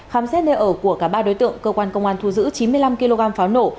khám xét nơi ở của cả ba đối tượng cơ quan công an thu giữ chín mươi năm kg pháo nổ